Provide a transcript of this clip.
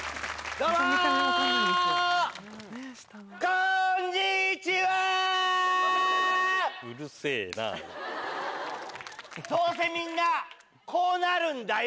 どうせみんなこうなるんだよ。